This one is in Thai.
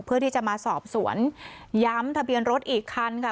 เพื่อที่จะมาสอบสวนย้ำทะเบียนรถอีกคันค่ะ